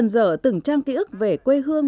giở từng trang ký ức về quê hương